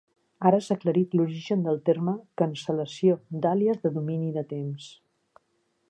Ara s'ha aclarit l'origen del terme "cancel·lació d'àlies de domini de temps".